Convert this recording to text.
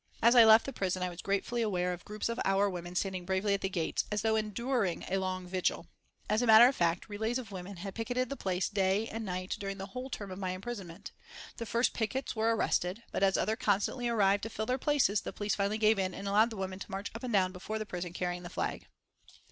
As I left the prison I was gratefully aware of groups of our women standing bravely at the gates, as though enduring a long vigil. As a matter of fact, relays of women had picketed the place night and day during the whole term of my imprisonment. The first pickets were arrested, but as others constantly arrived to fill their places the police finally gave in and allowed the women to march up and down before the prison carrying the flag.